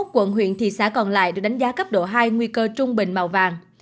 hai mươi quận huyện thị xã còn lại được đánh giá cấp độ hai nguy cơ trung bình màu vàng